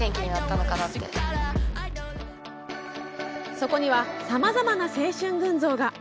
そこにはさまざまな青春群像が。